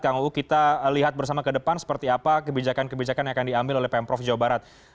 kang uu kita lihat bersama ke depan seperti apa kebijakan kebijakan yang akan diambil oleh pemprov jawa barat